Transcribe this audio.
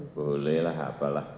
boleh lah apalah